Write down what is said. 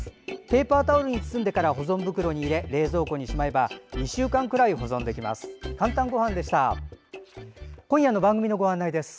ペーパータオルに包んでから保存袋に入れ冷蔵庫にしまえば２週間くらい保存できます。